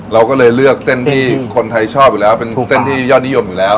เราก็เลยเลือกเส้นที่คนไทยชอบอยู่แล้วเป็นเส้นที่ยอดนิยมอยู่แล้ว